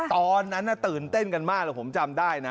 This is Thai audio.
ตอนนั้นตื่นเต้นกันมากผมจำได้นะ